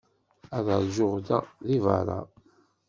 Ad ṛjuɣ da, deg beṛṛa.